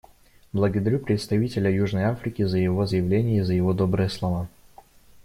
Благодарю представителя Южной Африки за его заявление и за его добрые слова.